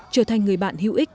trở thành người bạn hữu ích